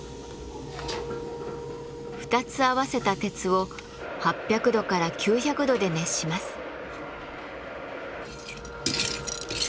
２つ合わせた鉄を８００度から９００度で熱します。